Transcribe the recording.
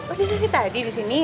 oh dia dari tadi di sini